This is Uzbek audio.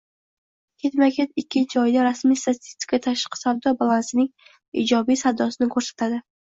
Ketma -ket ikkinchi oyda rasmiy statistika tashqi savdo balansining ijobiy saldosini ko'rsatadi